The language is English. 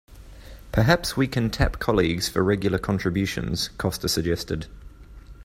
'Perhaps we can tap colleagues for regular contributions,' Coster suggested.